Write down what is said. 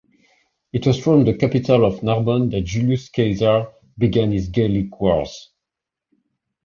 It was from the capital of Narbonne that Julius Caesar began his Gallic Wars.